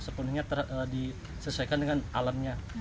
sepenuhnya disesuaikan dengan alamnya